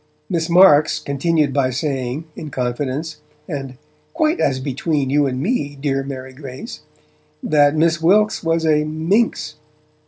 Miss Marks continued by saying, in confidence, and 'quite as between you and me, dear Mary Grace', that Miss Wilkes was a 'minx'.